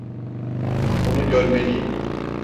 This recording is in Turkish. Bunu görmeliyim.